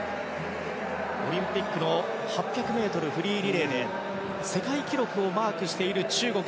オリンピックの８００ｍフリーリレーで世界記録をマークしている中国。